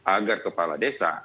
agar kepala desa